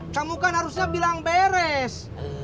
kamu kan harusnya bilang beres